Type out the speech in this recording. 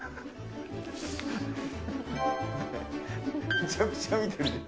めちゃくちゃ見てるじゃん。